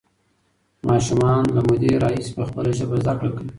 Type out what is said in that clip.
ماشومان له مودې راهیسې په خپله ژبه زده کړه کوي.